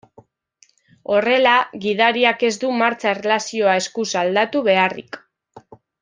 Horrela, gidariak ez du martxa erlazioa eskuz aldatu beharrik.